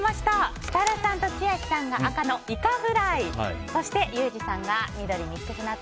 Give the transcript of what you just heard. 設楽さんと、千秋さんがイカフライそして、ユージさんが緑のミックスナッツ。